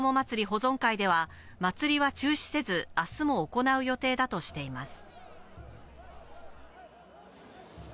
保存会では、祭りは中止せず、あすも行う予定だとしています。